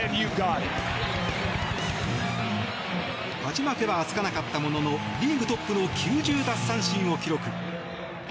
勝ち負けはつかなかったもののリーグトップの９０奪三振を記録。